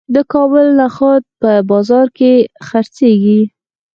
د کابل نخود په بازار کې خرڅیږي.